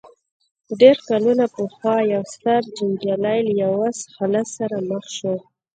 ډېر کلونه پخوا يو ستر جنګيالی له يوه حالت سره مخ شو.